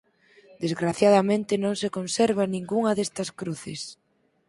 Desgraciadamente non se conserva ningunha destas cruces.